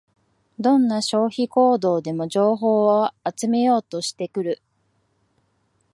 どんな消費行動でも情報を集めようとしてくる